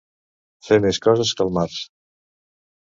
Fer més coses que el març.